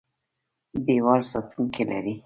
دیوال ساتونکي لري.